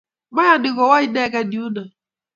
Moyanii kowo inegei yuno.